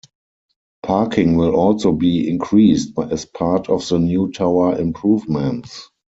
Parking will also be increased as part of the new tower improvements.